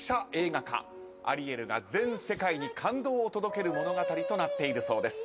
アリエルが全世界に感動を届ける物語となっているそうです。